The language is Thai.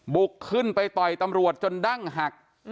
ขึ้นไปต่อยตำรวจจนดั้งหัก